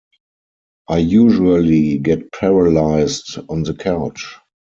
I usually get paralyzed on the couch.